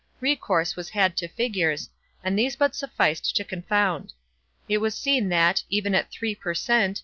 Recourse was had to figures, and these but sufficed to confound. It was seen that, even at three per cent.